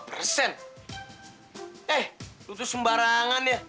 eh lo tuh sembarangan ya